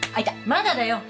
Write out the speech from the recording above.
まだだよ。